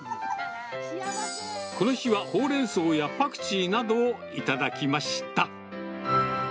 この日はホウレンソウやパクチーなどを頂きました。